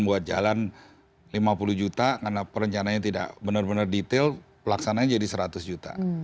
buat jalan lima puluh juta karena perencanaannya tidak benar benar detail pelaksananya jadi seratus juta